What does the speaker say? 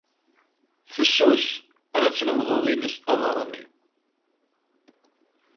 Fessus ad tlemdeḍ iles abeṛṛani.